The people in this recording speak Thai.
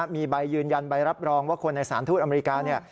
มีใบยืนยันใบรับรองว่าคนในสถานทูตอเมริกาเนี่ย